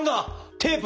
テープ！